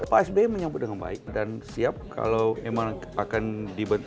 pak sby menyambut dengan baik dan siap kalau memang akan dibentuk